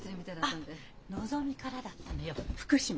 あっのぞみからだったのよ福島。